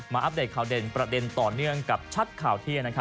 อัปเดตข่าวเด่นประเด็นต่อเนื่องกับชัดข่าวเที่ยง